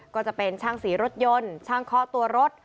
ก็จะเป็นช่างสีรถยนต์ช่างเคาะตัวรถ